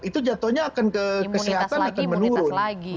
itu jatuhnya akan ke kesehatan akan menurun